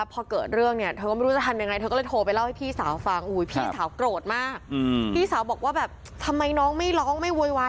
ก็คือจะคอยสังเกตถ้าเกิดสมมุติว่าเกิดเหตุการณ์ที่ว่า